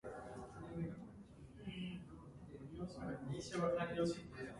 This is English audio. The "Canones super Thema Regium" are also usually played together.